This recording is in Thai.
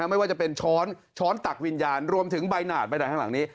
ไม่ว่าจะเป็นช้อนช้อนตักวิญญาณรวมถึงใบหนใบหนาดแห่งหลังนี้